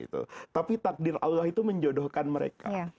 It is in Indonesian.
tapi takdir allah itu menjodohkan mereka